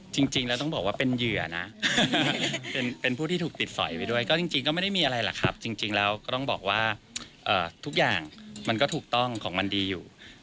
จริงแล้วต้องบอกว่าเป็นเหยื่อนะเป็นผู้ที่ถูกติดสอยไปด้วยก็จริงก็ไม่ได้มีอะไรหรอกครับจริงแล้วก็ต้องบอกว่าทุกอย่างมันก็ถูกต้องของมันดีอยู่